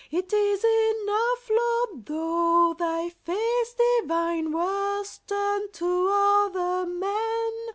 It is enough, Lord, though Thy face divine Was turned to other men.